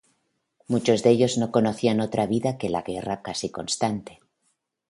Muchos de ellos no conocían otra vida que la de la guerra casi constante.